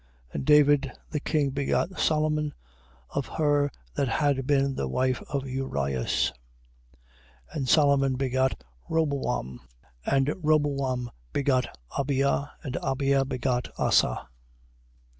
And David the king begot Solomon, of her that had been the wife of Urias. 1:7. And Solomon begot Roboam. And Roboam begot Abia. And Abia begot Asa.